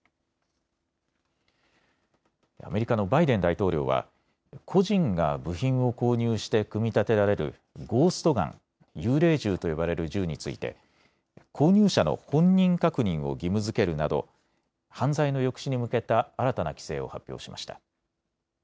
アメリカのバイデン大統領は個人が部品を購入して組み立てられるゴースト・ガン・幽霊銃と呼ばれる銃について購入者の本人確認を義務づけるなど犯罪の抑止に向けた新たな規制を発表しました。